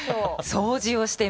掃除をしてます。